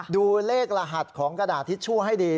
ดูเลขรหัสของกระดาษทิชชู่ให้ดี